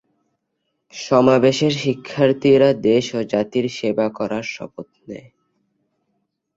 সমাবেশের শিক্ষার্থীরা দেশ ও জাতির সেবা করার শপথ নেয়।